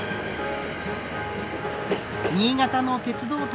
新潟の鉄道旅。